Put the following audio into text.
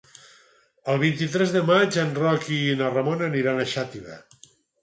El vint-i-tres de maig en Roc i na Ramona aniran a Xàtiva.